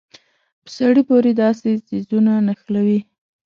په سړي پورې داسې څيزونه نښلوي.